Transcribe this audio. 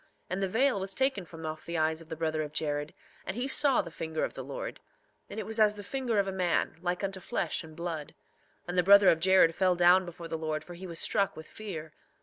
And the veil was taken from off the eyes of the brother of Jared, and he saw the finger of the Lord; and it was as the finger of a man, like unto flesh and blood; and the brother of Jared fell down before the Lord, for he was struck with fear.